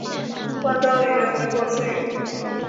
官方语言为波斯语。